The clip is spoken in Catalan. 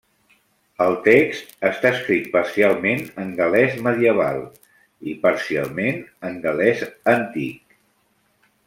El text està escrit parcialment en gal·lès medieval i parcialment en gal·lès antic.